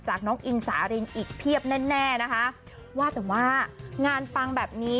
น้องอิงสารินอีกเพียบแน่แน่นะคะว่าแต่ว่างานปังแบบนี้